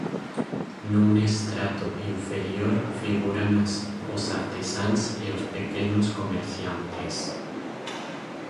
Nun estrato inferior figuran os artesáns e os pequenos comerciantes.